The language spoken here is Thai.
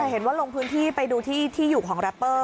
เห็นว่าลงพื้นที่ไปดูที่อยู่ของแรปเปอร์